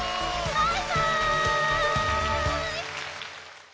バイバイ！